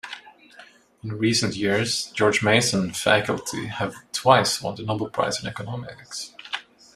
In recent years, George Mason faculty have twice won the Nobel Prize in Economics.